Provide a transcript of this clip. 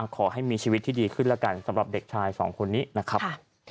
ขอให้มีชีวิตที่ดีขึ้นแล้วกันสำหรับเด็กชายสองคนนี้นะครับ